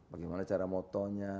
bagaimana cara motonya